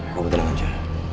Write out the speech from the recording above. kau tenang aja